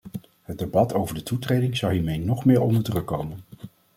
Het debat over de toetreding zou hiermee nog meer onder druk komen.